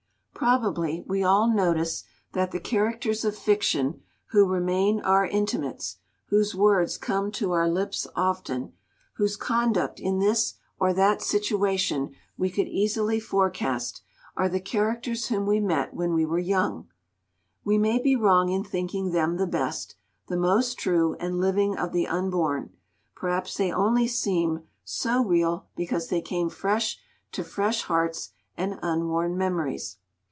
Probably we all notice that the characters of fiction who remain our intimates, whose words come to our lips often, whose conduct in this or that situation we could easily forecast, are the characters whom we met when we were young. We may be wrong in thinking them the best, the most true and living of the unborn; perhaps they only seem so real because they came fresh to fresh hearts and unworn memories.